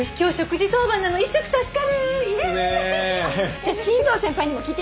じゃあ新藤先輩にも聞いてみます。